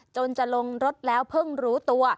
จนจะลงรถแล้วเพิ่งรู้ตัว